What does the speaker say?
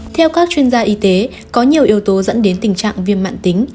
theo các chuyên gia y tế có nhiều yếu tố dẫn đến tình trạng viêm mạng tính